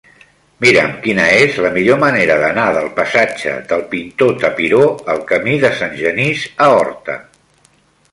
Mira'm quina és la millor manera d'anar del passatge del Pintor Tapiró al camí de Sant Genís a Horta.